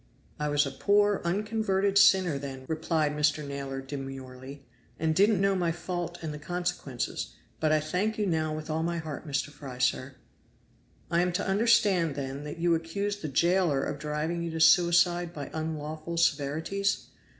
"I was a poor unconverted sinner then," replied Mr. Naylor demurely, "and didn't know my fault and the consequences; but I thank you now with all my heart, Mr. Fry, sir." "I am to understand then that you accuse the jailer of driving you to suicide by unlawful severities?"